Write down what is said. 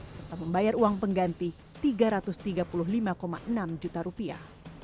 serta membayar uang pengganti tiga ratus tiga puluh lima enam juta rupiah